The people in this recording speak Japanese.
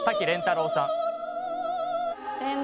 廉太郎さん。